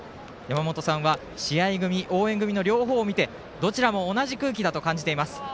やまもとさんは試合組、応援組の両方を見てどちらも同じ空気だと感じています。